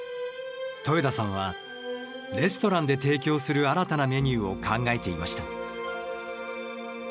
戸枝さんはレストランで提供する新たなメニューを考えていました。